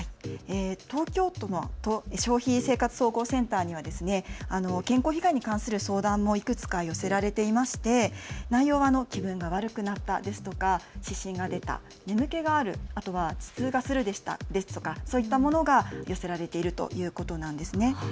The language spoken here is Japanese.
東京都消費生活総合センターに健康被害に関する相談もいくつか寄せられていまして内容は気分が悪くなったですとか湿疹が出た、眠気がある、あとは頭痛がするといったものが寄せられているということです。